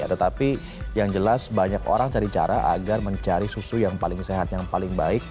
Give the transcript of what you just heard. tetapi yang jelas banyak orang cari cara agar mencari susu yang paling sehat yang paling baik